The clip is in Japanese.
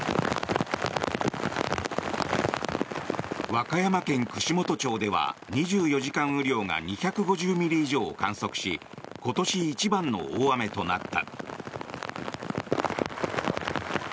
和歌山県串本町では２４時間雨量が２５０ミリ以上を観測し今年一番の大雨となった。